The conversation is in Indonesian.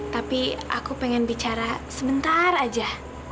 tapi aku pengen bicara sebentar aja